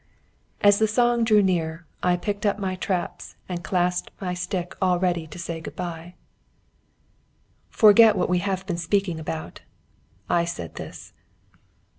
As the song drew nearer, I packed up my traps and clasped my stick all ready to say good bye. "Forget what we have been speaking about!" I said this.